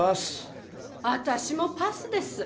私もパスです。